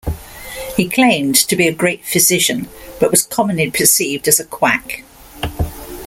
He claimed to be a "great physician", but was commonly perceived as a quack.